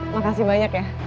makasih banyak ya